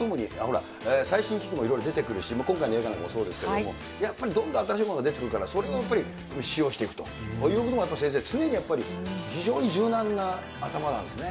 そうだね、でもやっぱり、時代とともに、最新機器もいろいろ出てくるし、今回の映画もそうですけれども、やっぱりどんどん新しいものが出てくるから、それをやっぱり、使用していくということが、先生も常に非常に柔軟な頭なんですね。